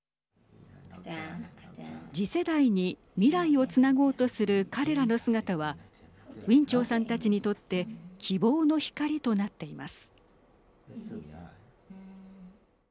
次世代に未来をつなごうとする彼らの姿はウィン・チョウさんたちにとって希望の光となっています。